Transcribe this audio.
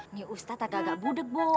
nih ustadz agak agak budeg bok